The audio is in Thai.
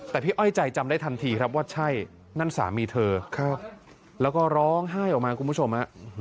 แต่พี่อ้อยใจจำได้ทันทีครับว่าใช่นั่นสามีเธอแล้วก็ร้องไห้ออกมาคุณผู้ชมฮะ